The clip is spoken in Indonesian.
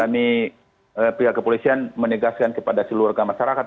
bahwa kami pihak kepolisian menegaskan kepada seluruh masyarakat